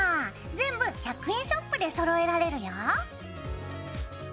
全部１００円ショップでそろえられるよ。